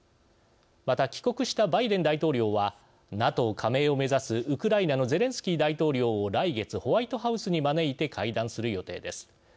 また帰国したバイデン大統領はＮＡＴＯ加盟を目指すウクライナのゼレンスキー大統領を来月ホワイトハウスに招いて会談する予定です。